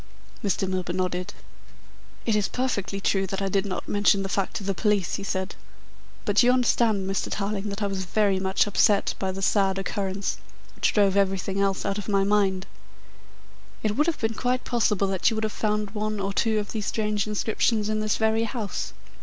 Mr. Milburgh nodded. "It is perfectly true that I did not mention the fact to the police," he said, "but you understand Mr. Tarling that I was very much upset by the sad occurrence, which drove everything else out of my mind. It would have been quite possible that you would have found one or two of these strange inscriptions in this very house."